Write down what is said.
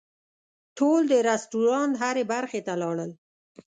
ټول د رسټورانټ هغې برخې ته لاړل.